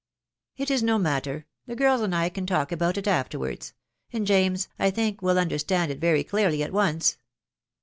" It is no matter The girls and I can talk about it afterwards, .... and James, I think, will understand it very clearly at once."